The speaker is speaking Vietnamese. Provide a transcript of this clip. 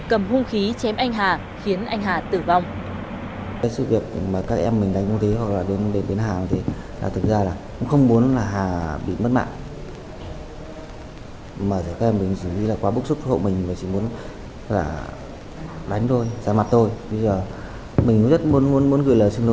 cầm hung khí chém anh hà khiến anh hà tử vong